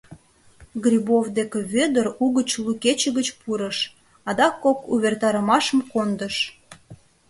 Грибов деке Вӧдыр угыч лу кече гыч пурыш, адак кок увертарымашым кондыш.